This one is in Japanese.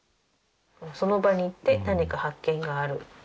その場に行って何か発見がある。